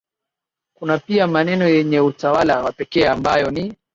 Kuna pia maeneo yenye utawala wa pekee ambayo ni